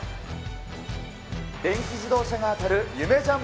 電気自動車が当たる、夢ジャンボ！